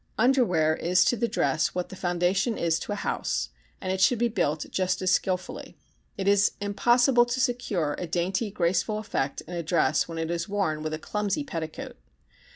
Underwear is to the dress what the foundation is to a house, and it should be built just as skillfully. It is impossible to secure a dainty graceful effect in a dress when it is worn with a clumsy petticoat.